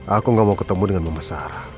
aku gak mau ketemu dengan mama sarah